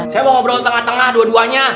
saya mau ngobrol tengah tengah dua duanya